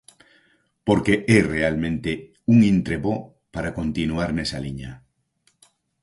Porque é realmente un intre bo para continuar nesa liña.